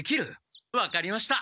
分かりました。